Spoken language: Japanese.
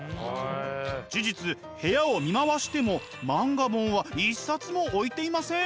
事実部屋を見回しても漫画本は一冊も置いていません。